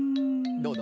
どうだ？